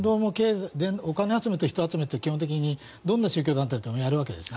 お金集めと人集めって基本的にどんな宗教団体もやるわけです。